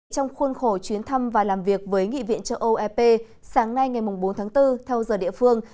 trong khuôn khổ chuyến thăm và làm việc với nghị viện châu âu ep sáng nay ngày bốn tháng bốn theo giờ địa phương